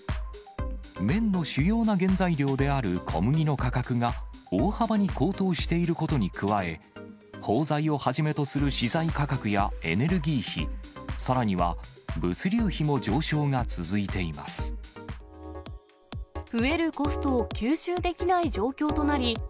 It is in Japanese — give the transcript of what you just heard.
麺の主要な原材料である小麦の価格が大幅に高騰していることに加え、包材をはじめとする資材価格や、エネルギー費、さらには物流費も増えるコストを吸収できない状況となり、